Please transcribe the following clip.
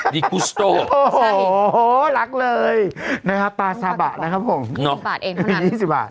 ดิกุโสโตโอ้โหรักเลยนะครับปลาสาบะนะครับผมเนาะปลาสเอนขนาด๒๐บาท